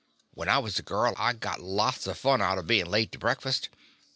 When I was a girl I got lots of fun out of being late to breakfast.